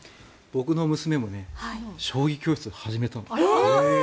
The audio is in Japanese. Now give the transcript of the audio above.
僕の娘も将棋教室を始めたの。